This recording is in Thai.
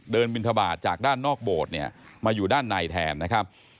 บินทบาทจากด้านนอกโบสถ์เนี่ยมาอยู่ด้านในแทนนะครับ